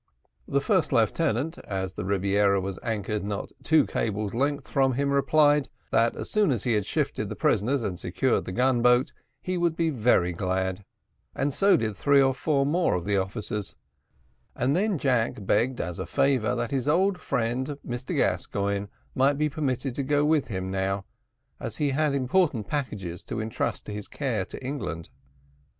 The first lieutenant, as the Rebiera was anchored not two cables' lengths from him, replied, "that as soon as he had shifted the prisoners and secured the gun boat, he would be very glad;" so did three or four more of the officers, and then Jack begged as a favour that his old friend, Mr Gascoigne, might be permitted to go with him now, as he had important packages to entrust to his care to England.